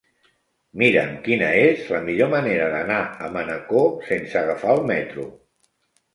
Mira'm quina és la millor manera d'anar a Manacor sense agafar el metro.